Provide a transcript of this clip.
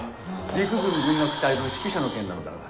陸軍軍楽隊の指揮者の件なのだが。